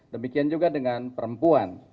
demikian juga dengan perempuan